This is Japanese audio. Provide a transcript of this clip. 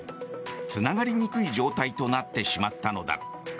つながりにくい状態となってしまったのだ。